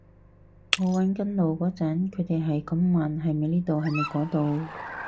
我搵緊路嗰陣，佢哋喺咁問係咪呢度係咪嗰度